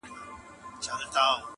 چي موږ به کله کله ورتلو.